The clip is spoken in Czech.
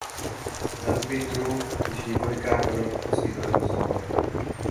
Na Twitteru již několikrát poskytl rozhovor.